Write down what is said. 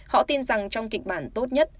họ tin rằng trong kịch bản tốt nhất